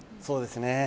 そうですね。